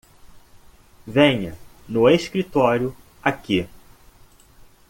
Venha no escritório aqui.